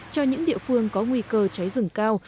cho những địa phương có nguy cơ cháy rừng cao